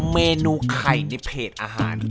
เมนูไข่ในเพจอาหาร